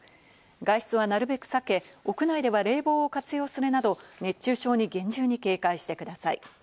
外出はなるべく避け、屋内では冷房を活用するなど、熱中症に厳重に警戒してください。